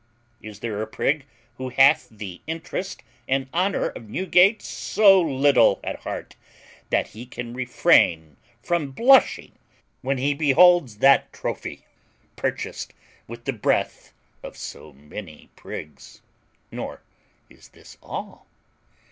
Is there a prig who hath the interest and honour of Newgate so little at heart that he can refrain from blushing when he beholds that trophy, purchased with the breath of so many prigs? Nor is this all.